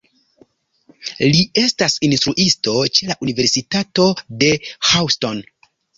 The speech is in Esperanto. Li estas instruisto ĉe la Universitato de Houston.